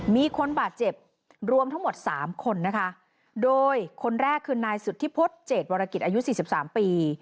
มีคนบาดเจ็บรวมทั้งหมด๓คนโดยคนแรกคือนายสุทธิพฤตเจ็ดวรกิจอายุ๔๓ปี